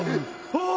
ああ！